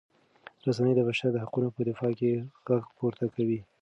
رسنۍ د بشر د حقونو په دفاع کې غږ پورته کوي.